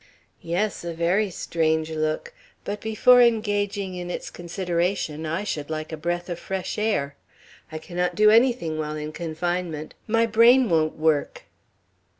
"Yes; a very strange look. But before engaging in its consideration I should like a breath of fresh air. I cannot do anything while in confinement. My brain won't work."